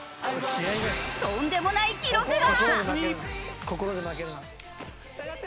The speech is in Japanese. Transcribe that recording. とんでもない記録が！